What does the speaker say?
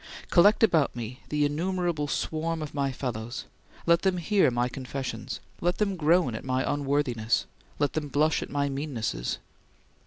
Collect about me the innumerable swarm of my fellows; let them hear my confessions; let them groan at my unworthiness; let them blush at my meannesses!